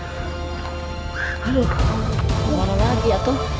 aduh dimana lagi atuh